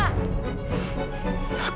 aku juga udah capek nek